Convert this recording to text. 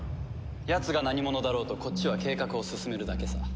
やつが何者だろうとこっちは計画を進めるだけさ。